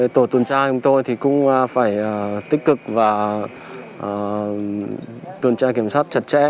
tổ tuần tra chúng tôi cũng phải tích cực và tuần tra kiểm soát chặt chẽ